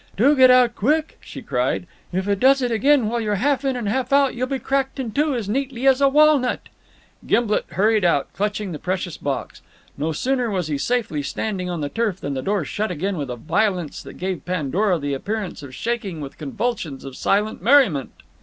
"Do get out quick," she cried. "If it does it again while you're half in and half out, you'll be cracked in two as neatly as a walnut." Gimblet hurried out, clutching the precious box. No sooner was he safely standing on the turf than the door shut again with a violence that gave Pandora the appearance of shaking with convulsions of silent merriment.